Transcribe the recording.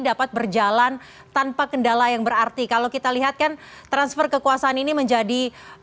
dapat berjalan tanpa kendala yang berarti kalau kita lihat kan transfer kekuasaan ini menjadi